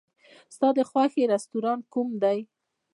ستا د خوښې رستورانت کوم دی؟